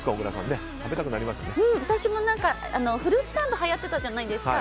私も、フルーツサンドがはやってたじゃないですか。